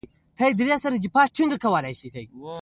تیاره او بدرنګې برخې یې هم تلل کېږي.